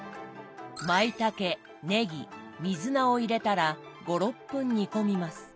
まいたけねぎ水菜を入れたら５６分煮込みます。